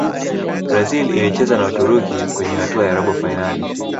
brazil ilicheza na Uturuki kwenye hatua ya robo fainali